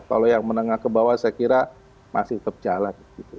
kalau yang menengah ke bawah saya kira masih tetap jalan